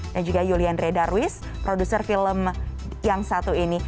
dan juga yulian dreda ruiz produser film yang satu ini